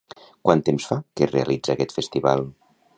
Quant temps fa que es realitza aquest festival?